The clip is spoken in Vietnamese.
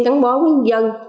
gắn bó với dân